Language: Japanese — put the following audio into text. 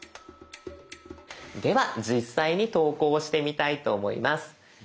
では実際に投稿してみたいと思います。